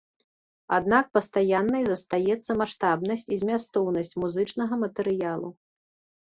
Аднак пастаяннай застаецца маштабнасць і змястоўнасць музычнага матэрыялу.